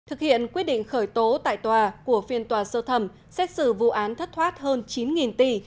thực hiện quyết định khởi tố tại tòa của phiên tòa sơ thẩm xét xử vụ án thất thoát hơn chín tỷ